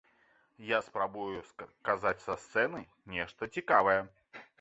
Я спрабую казаць са сцэны нешта цікавае.